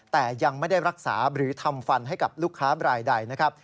แต่ยังไม่ได้รักษาหรือทำฟันให้กับลูกค้าบรายใดนะครับ